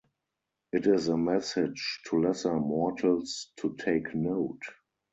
It is a message to lesser mortals to take note.